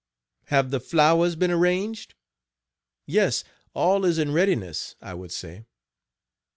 "Have the flowers been arranged?" "Yes, all is in readiness," I would say.